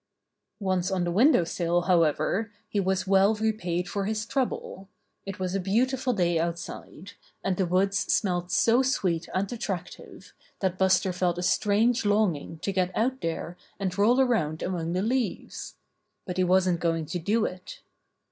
Once on the window sill, however, he was well repaid for his trouble. It was a beau tiful day outside, and the woods smelt so sweet and attractive that Buster felt a strange long ing to get out there and roll around among the leaves. But he wasn't going to do it.